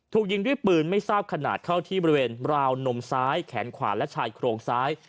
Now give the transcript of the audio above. ถูกยิงด้วยปืนไม่ทราบขนาดเข้าที่บริเวณราวนมซ้ายแขนขวาและชายโครงซ้าย